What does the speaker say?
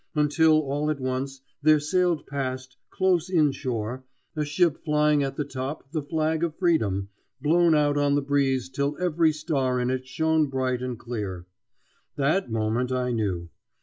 Until all at once there sailed past, close inshore, a ship flying at the top the flag of freedom, blown out on the breeze till every star in it shone bright and clear. That moment I knew.